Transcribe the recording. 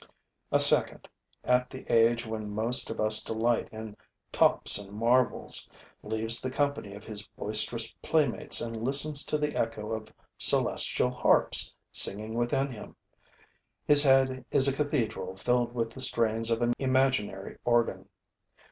A second, at the age when most of us delight in tops and marbles, leaves the company of his boisterous playmates and listens to the echo of celestial harps singing within him. His head is a cathedral filled with the strains of an imaginary organ.